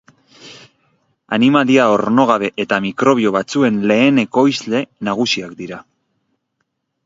Animalia ornogabe eta mikrobio batzuen lehen ekoizle nagusiak dira.